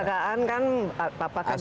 biasanya kan ada kecelakaan kan